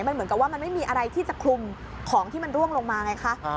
มันเหมือนกับว่ามันไม่มีอะไรที่จะคลุมของที่มันร่วงลงมาไงคะ